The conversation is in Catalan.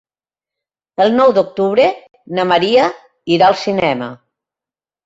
El nou d'octubre na Maria irà al cinema.